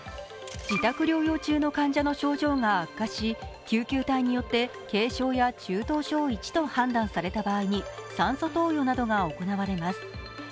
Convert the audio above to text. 自宅療養中の患者の症状が悪化し、救急隊によって軽症や中等症Ⅰと判断された場合に酸素投与などが行われます。